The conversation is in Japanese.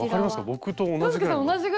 僕と同じぐらいの。